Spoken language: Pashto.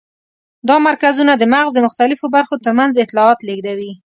دا مرکزونه د مغز د مختلفو برخو تر منځ اطلاعات لېږدوي.